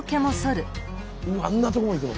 あんなとこまでいくの？